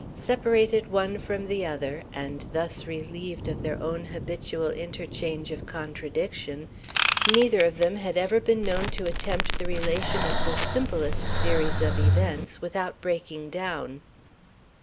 Separated one from the other, and thus relieved of their own habitual interchange of contradiction, neither of them had ever been known to attempt the relation of the simplest series of events without breaking down.